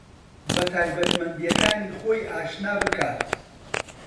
بە تایبەتمەندێتییەکانی خۆی ئاشنا بکات